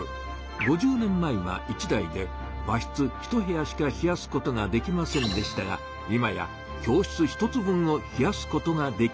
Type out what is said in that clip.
５０年前は１台で和室ひと部屋しか冷やすことができませんでしたが今や教室ひとつ分を冷やすことができるように。